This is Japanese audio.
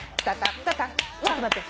ちょっと待って。